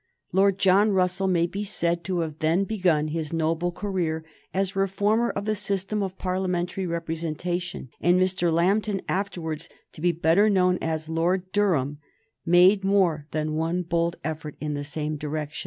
Lord John Russell may be said to have then begun his noble career as reformer of the system of parliamentary representation, and Mr. Lambton, afterwards to be better known as Lord Durham, made more than one bold effort in the same direction.